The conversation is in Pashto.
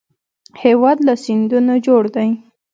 هېواد له سیندونو جوړ دی